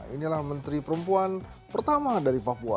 inilah menteri perempuan pertama dari papua